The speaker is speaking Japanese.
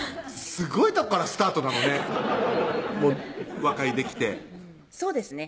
すごいとこからスタートなのね和解できてそうですね